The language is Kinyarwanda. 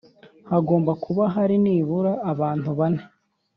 hagomba kuba hari nibura abantu bane.